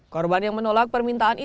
korban yang menolak permintaan ini